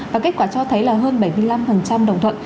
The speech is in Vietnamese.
và kết quả cho thấy là hơn bảy mươi năm đồng thuận